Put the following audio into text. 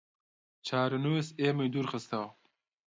چارەنووس ئێمەی دوورخستەوە